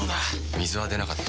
水は出なかった。